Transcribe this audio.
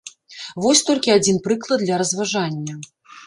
Вось толькі адзін прыклад для разважання.